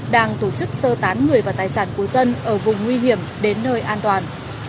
đang tổ chức sơ tán người và tài sản của dân ở vùng nguy hiểm đến nơi an toàn